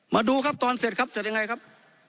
มาดูครับตอนเสร็จครับเสร็จยังไงครับ